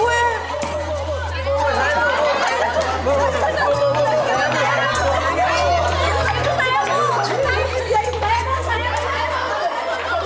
ya gak bakal bagiin nih gue